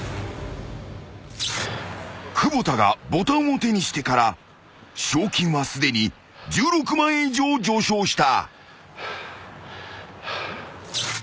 ［久保田がボタンを手にしてから賞金はすでに１６万円以上上昇した］